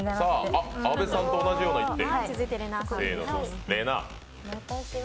阿部さんと同じような一手。